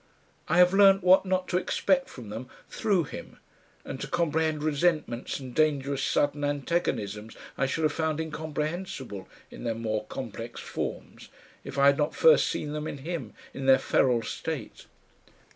I have learnt what not to expect from them through him, and to comprehend resentments and dangerous sudden antagonisms I should have found incomprehensible in their more complex forms, if I had not first seen them in him in their feral state.